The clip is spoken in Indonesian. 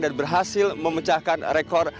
dan berhasil memecahkan rekor